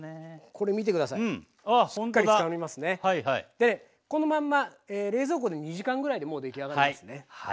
でこのまんま冷蔵庫で２時間ぐらいでもう出来上がりますね。